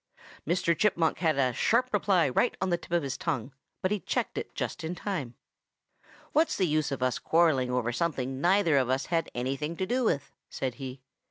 "Mr. Chipmunk had a sharp reply right on the tip of his tongue, but he checked it just in time. 'What's the use of quarreling over something neither of us had anything to do with?' said he.